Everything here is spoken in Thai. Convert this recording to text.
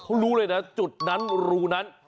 เขารู้เลยนะจุดนั้นรูนั้น